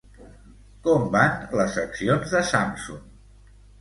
Com van les accions de Samsung?